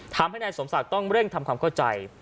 ทำให้นายสมศักดิ์ต้องเร่งทำความเข้าใจ